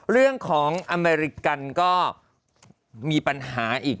เรื่องของอเมริกันก็มีปัญหาอีก